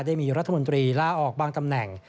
ได้มีรัฐมนตรีลาออกบางตำแหน่ง